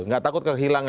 nggak takut kehilangan